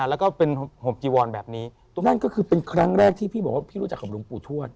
แล้วก็เป็นห่มจีวอนแบบนี้ตรงนั้นก็คือเป็นครั้งแรกที่พี่บอกว่าพี่รู้จักกับหลวงปู่ทวด